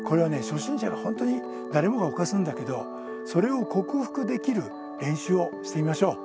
初心者が本当に誰もが犯すんだけどそれを克服できる練習をしてみましょう。